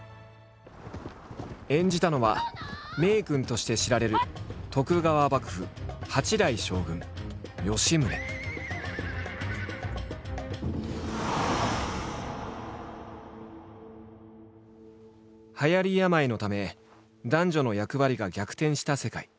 演じたのは名君として知られる徳川幕府はやり病のため男女の役割が逆転した世界。